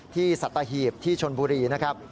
ที่สัตว์เทียบที่ชนบุรีนะครับ